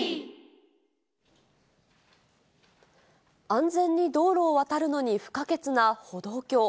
安全に道路を渡るのに不可欠な歩道橋。